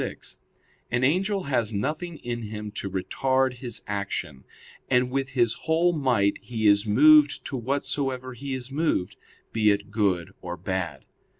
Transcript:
6), an angel has nothing in him to retard his action, and with his whole might he is moved to whatsoever he is moved, be it good or bad.